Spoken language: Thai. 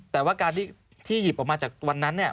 แต่ว่าการที่หยิบออกมาจากวันนั้น